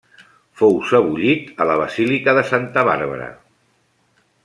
Fou sebollit a la basílica de Santa Bàrbara.